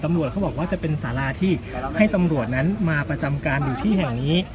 เขาบอกว่าจะเป็นสาราที่ให้ตำรวจนั้นมาประจำการอยู่ที่แห่งนี้